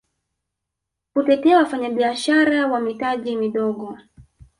kutetea wafanyabiashara wa mitaji midogo